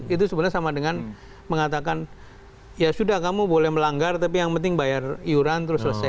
itu sebenarnya sama dengan mengatakan ya sudah kamu boleh melanggar tapi yang penting bayar iuran terus selesai